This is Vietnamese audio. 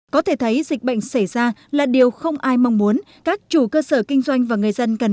có thể thấy dịch bệnh xảy ra là điều không ai mong muốn các chủ cơ sở kinh doanh và người dân cần